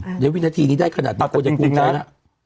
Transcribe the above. เดี๋ยววินาทีนี้ได้ขนาดนี้ก็จะภูมิใจแล้ว